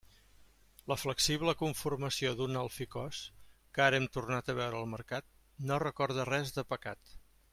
La flexible conformació d'un alficòs, que ara hem tornat a veure al mercat, no recorda res de pecat.